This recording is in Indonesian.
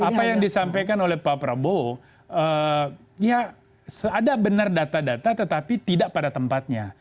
apa yang disampaikan oleh pak prabowo ya ada benar data data tetapi tidak pada tempatnya